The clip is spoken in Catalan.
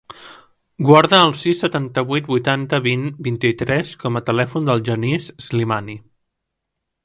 Guarda el sis, setanta-vuit, vuitanta, vint, vint-i-tres com a telèfon del Genís Slimani.